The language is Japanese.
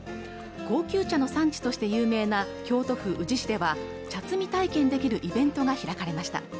高級茶の産地として有名な京都府宇治市では茶摘み体験できるイベントが開かれました